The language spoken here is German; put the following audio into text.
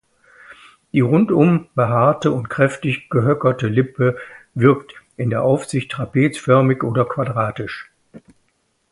Die rundum behaarte und kräftig gehöckerte Lippe wirkt in der Aufsicht trapezförmig oder quadratisch.